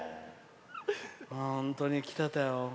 本当に来てたよ。